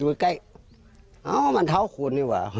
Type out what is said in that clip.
ดูใกล้อ้อมันเท่าคุณนี่ว่ะ